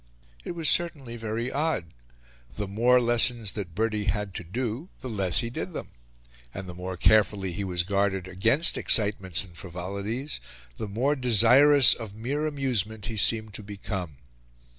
It was certainly very odd: the more lessons that Bertie had to do, the less he did them; and the more carefully he was guarded against excitements and frivolities, the more desirous of mere amusement he seemed to become.